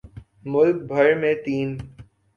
ملک بھر میں تین